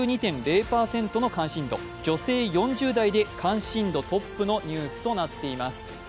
女性４０代で関心度トップのニュースとなっています。